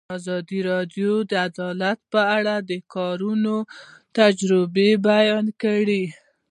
ازادي راډیو د عدالت په اړه د کارګرانو تجربې بیان کړي.